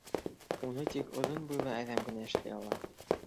Уны тик оҙон буйлы әҙәм генә эшләй ала.